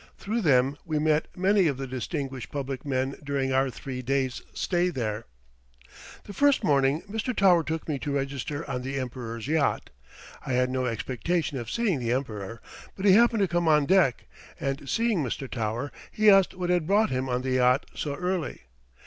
Through them we met many of the distinguished public men during our three days' stay there. The first morning, Mr. Tower took me to register on the Emperor's yacht. I had no expectation of seeing the Emperor, but he happened to come on deck, and seeing Mr. Tower he asked what had brought him on the yacht so early.